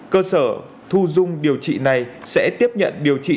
cơ sở thu dung điều trị này sẽ tiếp nhận điều trị